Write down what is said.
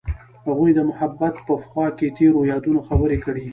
هغوی د محبت په خوا کې تیرو یادونو خبرې کړې.